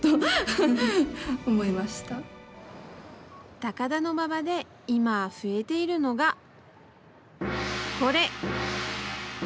高田馬場で今、増えているのが、これ。